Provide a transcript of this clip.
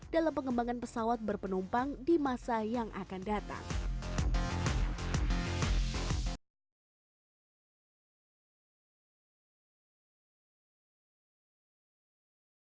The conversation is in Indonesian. dalam pengembangan pesawat berpenumpang di masa yang akan datang